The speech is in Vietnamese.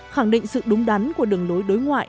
khẳng định sự đúng đắn của đường lối đối ngoại